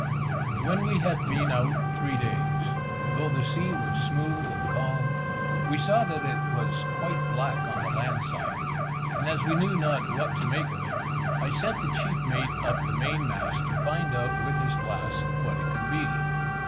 When we had been out three days, though the sea was smooth and calm, we saw that it was quite black on the land side; and as we knew not what to make of it, I sent the chief mate up the main mast to find out with his glass what it could be.